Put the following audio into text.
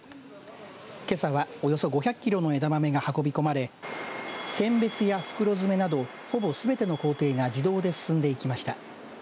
けさはおよそ５００キロの枝豆が運び込まれ選別や袋詰めなどほぼすべての工程が自動で進んでいきました。